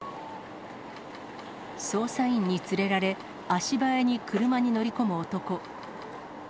捜査員に連れられ、足早に車に乗り込む男。